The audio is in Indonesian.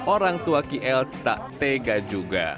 orang tua kl tak tega juga